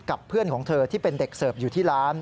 เพื่อนของเธอที่เป็นเด็กเสิร์ฟอยู่ที่ร้าน